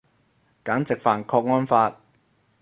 簡直犯郭安發